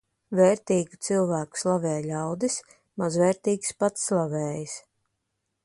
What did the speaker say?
Vērtīgu cilvēku slavē ļaudis, mazvērtīgs pats slavējas.